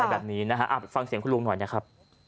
ฟังเสียงของคุณรู่งหน่อยนะครับ